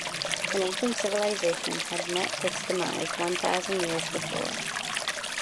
An ancient civilization had met its demise one thousand years before.